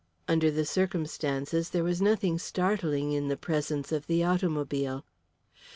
Under the circumstances there was nothing startling in the presence of the automobile.